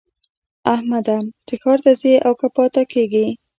احمده! ته ښار ته ځې او که پاته کېږې؟